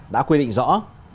đã quy định rõ